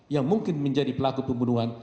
yang mungkin menjadi pelaku pembunuhan